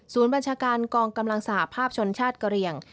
บัญชาการกองกำลังสหภาพชนชาติกะเรียง